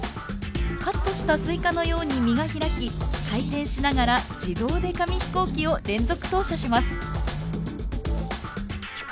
カットしたスイカのように実が開き回転しながら自動で紙飛行機を連続投射します。